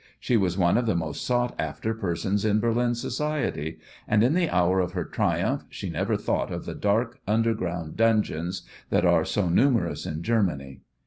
She was one of the most sought after persons in Berlin society, and in the hour of her triumph she never thought of the dark, underground dungeons that are so numerous in Germany.